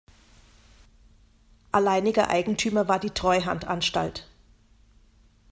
Alleiniger Eigentümer war die Treuhandanstalt.